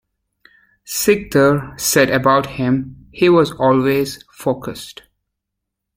Sikdar said about him, He was always focused.